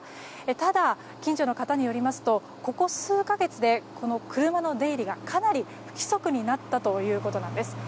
ただ、近所の方によりますとここ数か月でこの車の出入りがかなり不規則になったということなんです。